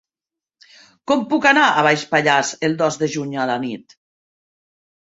Com puc anar a Baix Pallars el dos de juny a la nit?